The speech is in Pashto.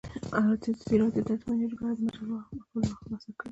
ازادي راډیو د اټومي انرژي په اړه د مجلو مقالو خلاصه کړې.